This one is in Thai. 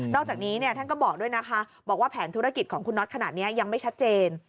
อกจากนี้ท่านก็บอกด้วยนะคะบอกว่าแผนธุรกิจของคุณน็อตขนาดนี้ยังไม่ชัดเจน